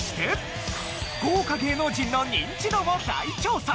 豪華芸能人のニンチドも大調査！